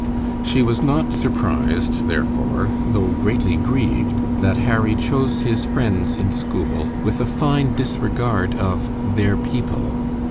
She was not surprised, therefore, though greatly grieved, that Harry chose his friends in school with a fine disregard of "their people."